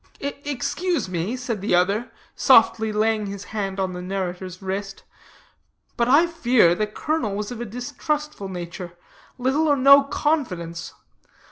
"Excuse me," said the other, softly laying his hand on the narrator's wrist, "but I fear the colonel was of a distrustful nature little or no confidence.